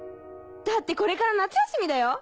だってこれから夏休みだよ。